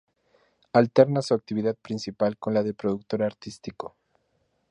Alterna su actividad principal con la de productor artístico.